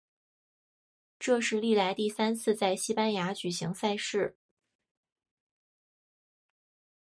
这是历来第三次在西班牙举行赛事。